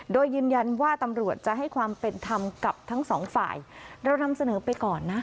โดยยืนยันว่าตำรวจจะให้ความเป็นธรรมกับทั้งสองฝ่ายเรานำเสนอไปก่อนนะ